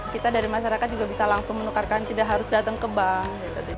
kita dari masyarakat juga bisa langsung menukarkan tidak harus datang ke bank